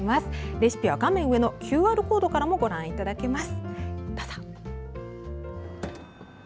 レシピは画面右上のＱＲコードからもご覧いただけます。